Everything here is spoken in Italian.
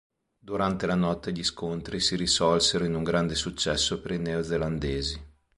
Durante la notte gli scontri si risolsero in un grande successo per i neozelandesi.